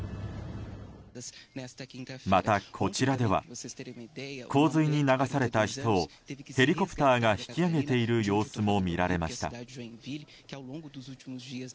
また、こちらでは洪水に流された人をヘリコプターが引き上げている様子も見られました。